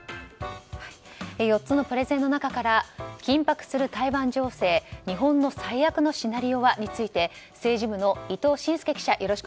４つのプレゼンの中から緊迫する台湾情勢日本の最悪のシナリオはについて政治部の伊藤慎祐記者